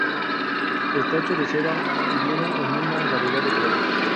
Está hecho de seda y vienen en una variedad de colores.